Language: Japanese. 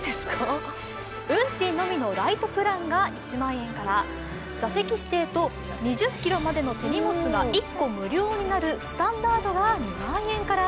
運賃のみのライトプランが１万円から、座席指定と２０ｋｇまでの手荷物が１個無料になるスタンダードが２万円から。